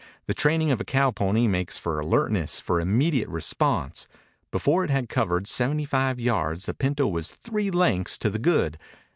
The training of a cowpony makes for alertness, for immediate response. Before it had covered seventy five yards the pinto was three lengths to the good.